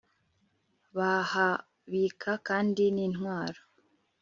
bahabika kandi n'intwaro